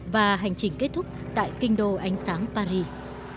và hành trình kết thúc tại kinh đô ánh sáng paris